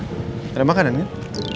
tidak ada makanan kan